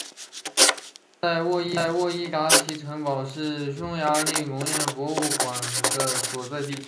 现在沃伊达奇城堡是匈牙利农业博物馆的所在地。